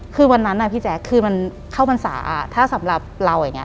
คือวันนั้นพี่แจ๊คคือมันเข้าพรรษาถ้าสำหรับเราอย่างนี้